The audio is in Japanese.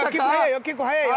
結構速いよ！